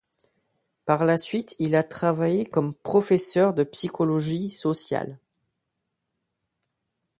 Par la suite, il a travaillé comme professeur de psychologie sociale.